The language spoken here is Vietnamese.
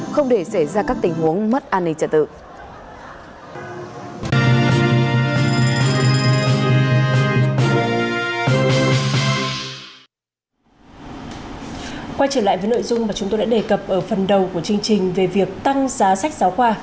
không để xảy ra các tình huống mất an ninh trả tự